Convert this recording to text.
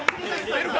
出るか？